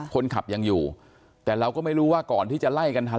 คนขับยังอยู่แต่เราก็ไม่รู้ว่าก่อนที่จะไล่กันทัน